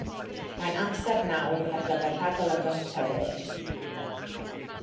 Mae'n amser nawr ar gyfer rhagolygon y tywydd.